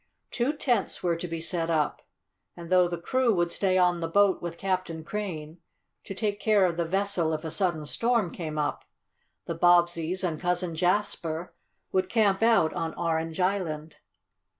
Two tents were to be set up, and though the crew would stay on the boat with Captain Crane, to take care of the vessel if a sudden storm came up, the Bobbseys and Cousin Jasper would camp out on Orange Island.